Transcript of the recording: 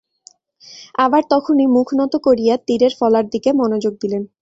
আবার তখনই মুখ নত করিয়া তীরের ফলার দিকে মনোযোগ দিলেন।